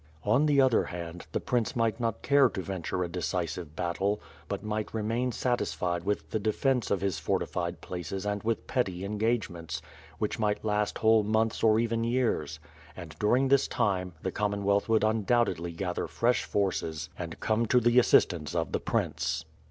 On the other hand, the prince might not care to venture a decisive battle, but might remain satisfied with the defence of his fortified places and with petty engagements, which might last whole months or even years; and, during this time, the Commonwealth would undoubtedly gather fresh forces and come to the assistance of the Prince.